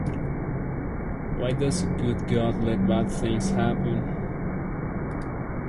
Why does a good God let bad things happen?